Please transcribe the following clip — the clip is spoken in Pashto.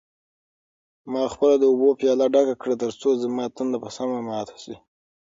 ما خپله د اوبو پیاله ډکه کړه ترڅو زما تنده په سمه ماته شي.